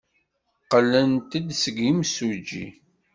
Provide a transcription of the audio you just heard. Qqlen-d seg yimsujji.